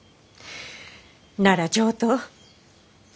なら上等。